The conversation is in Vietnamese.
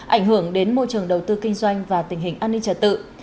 ảnh hưởng đến môi trường đầu tư kinh doanh và tình hình an ninh trật tự